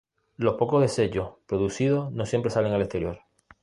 Los pocos desechos producidos no siempre salen al exterior.